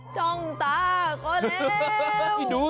จ้องตาก่อนแร้ว